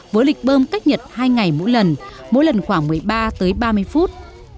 với lịch bơm cách nhật hai ngày mỗi lần mỗi lần khoảng một mươi ba tới ba mươi phút